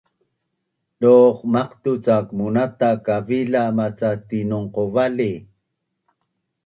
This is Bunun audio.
Doq maqtu’ cak munata’ kavila’ maca tinongqu vali?